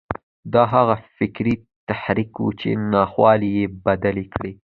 دا هغه فکري تحرک و چې ناخوالې یې بدلې کړې